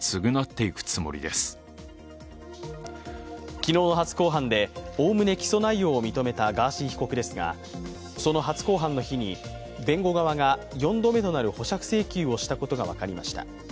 昨日の初公判でおおむね起訴内容を認めたガーシー被告ですがその初公判の日に弁護側が４度目となる保釈請求をしたことが分かりました。